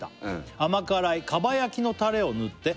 「甘辛いかば焼きのたれを塗って」